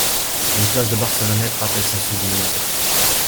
Une place de Barcelonnette rappelle son souvenir.